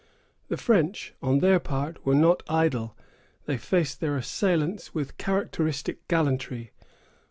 The French, on their part, were not idle; they faced their assailants with characteristic gallantry.